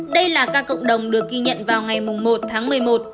đây là ca cộng đồng được ghi nhận vào ngày một tháng một mươi một